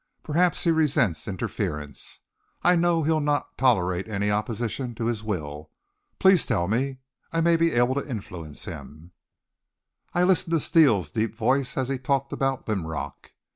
Perhaps he resents interference. I know he'll not tolerate any opposition to his will. Please tell me. I may be able to influence him." I listened to Steele's deep voice as he talked about Linrock.